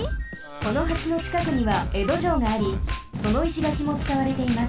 この橋のちかくにはえどじょうがありその石がきもつかわれています。